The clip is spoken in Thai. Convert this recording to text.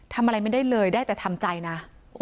ทำอะไรไม่ได้เลยได้แต่ทำใจนะ